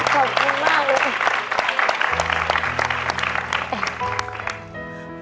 ขอบคุณมากเลย